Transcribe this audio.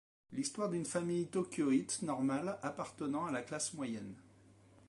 L'histoire d'une famille tokyoïte normale appartenant à la classe moyenne.